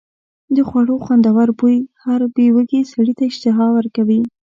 د خوړو خوندور بوی هر بې وږي سړي ته اشتها ورکوله.